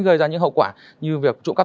gây ra những hậu quả như việc trụ cắp